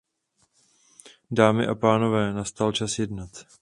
Dámy a pánové, nastal čas jednat.